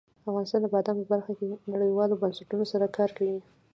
افغانستان د بادام په برخه کې نړیوالو بنسټونو سره کار کوي.